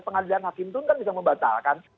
pengadilan hakim pun kan bisa membatalkan